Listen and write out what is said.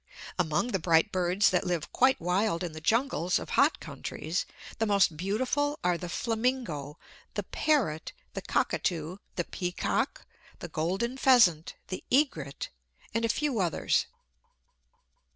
Among the bright birds that live quite wild in the jungles of hot countries, the most beautiful are the flamingo, the parrot, the cockatoo, the peacock, the golden pheasant, the egret, and a few others.